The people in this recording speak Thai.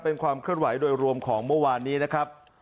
เป็นความเคลื่อนไหวโดยรวมของเมื่อวานนี้นะครับ